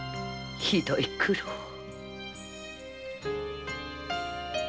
ひどい苦労を。